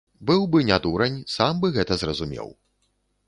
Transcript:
Быў бы не дурань, сам бы гэта зразумеў.